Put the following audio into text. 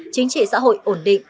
chính trị xã hội ổn định